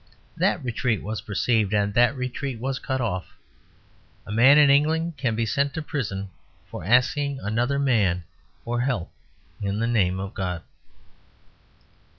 That retreat was perceived; and that retreat was cut off. A man in England can be sent to prison for asking another man for help in the name of God.